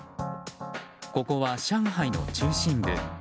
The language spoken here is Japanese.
ここは上海の中心部。